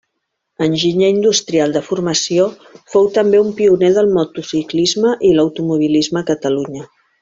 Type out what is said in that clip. Enginyer industrial de formació, fou també un pioner del motociclisme i l'automobilisme a Catalunya.